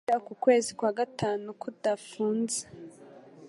Kubeshya uku kwezi kwa gatanu kudafunze